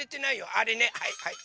あれねはいはい。